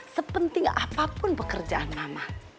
sepenting apapun pekerjaan mama